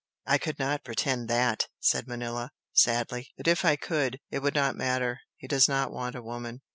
"I could not pretend THAT!" said Manella, sadly "But if I could, it would not matter. He does not want a woman."